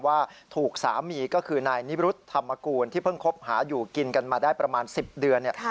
ว่าถูกสามีก็คือนายนิรุธธรรมกูลที่เพิ่งคบหาอยู่กินกันมาได้ประมาณ๑๐เดือน